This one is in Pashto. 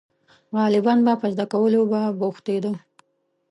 • غالباً په زده کولو به بوختېده.